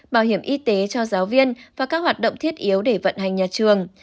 bảo hiểm y tế cho giáo viên và các hoạt động thiết yếu để vận hành nhà trường